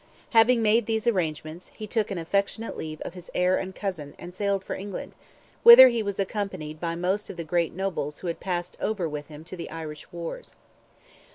Having made these arrangements, he took an affectionate leave of his heir and cousin, and sailed for England, whither he was accompanied by most of the great nobles who had passed over with him to the Irish wars.